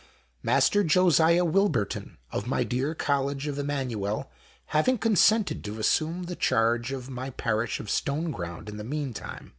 Master Josiah Wilburton, of my dear College ofi Emmanuel, having consented to assume the charge of my parish of Stoneground in the meantime.